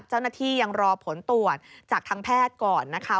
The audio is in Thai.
เจ้าหน้าที่ยังรอผลตรวจจากทางแพทย์ก่อนนะคะ